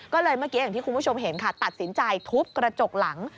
ก็เลยเมื่อกี้อย่างที่คุณผู้ชมเห็นค่ะตัดสินใจทุบกระจกหลัง